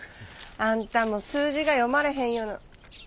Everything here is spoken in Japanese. あんたも数字が読まれへんような。